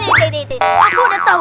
eh tid aku udah tau